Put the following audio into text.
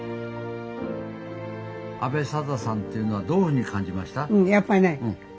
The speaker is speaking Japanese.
阿部定さんっていうのはどういうふうに感じました？